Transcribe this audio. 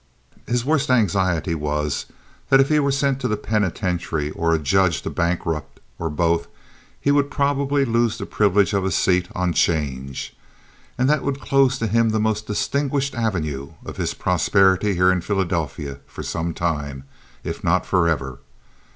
His worst anxiety was that if he were sent to the penitentiary, or adjudged a bankrupt, or both, he would probably lose the privilege of a seat on 'change, and that would close to him the most distinguished avenue of his prosperity here in Philadelphia for some time, if not forever.